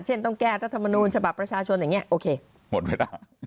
ต้องแก้รัฐมนูญฉบับประชาชนอย่างนี้โอเคหมดเวลา